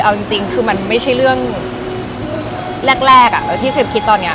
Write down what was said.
เอาจริงคือมันไม่ใช่เรื่องแรกที่ครีมคิดตอนนี้